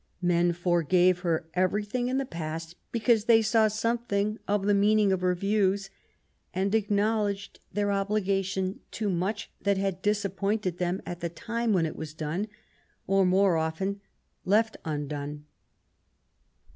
Men forgave her everything in the past because they saw something of the meaning of her views, and acknow ledged their obligation to much that had disappointed them at the time when it was done, or more often left undone.